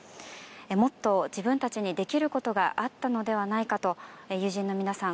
もっと自分たちにできることがあったのではないかと友人の皆さん